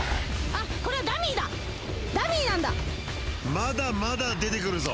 まだまだ出てくるぞ。